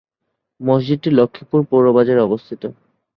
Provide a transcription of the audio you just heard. মসজিদটি লক্ষ্মীপুর পৌর বাজারে অবস্থিত।